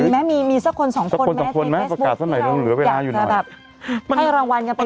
มีไหมมีสักคนสองคนไหมในเฟซบุ๊คที่เราแกะแบบให้ระวังกันไปก่อนมีสักคนสองคนไหมในเฟซบุ๊คที่เราแกะแบบให้ระวังกันไปก่อน